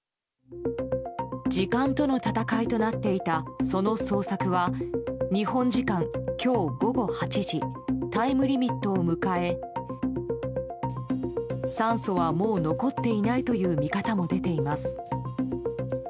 時間との闘いとなっていたその捜索は日本時間今日午後８時タイムリミットを迎え酸素はもう残っていないという見方も出ています。